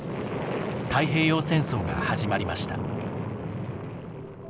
太平洋戦争が始まりました。